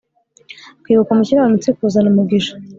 kwibuka umukiranutsi kuzana umugisha